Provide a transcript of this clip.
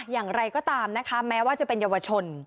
อย่างไรก็ตามนะคะแม้ว่าจะเป็นเยาวชน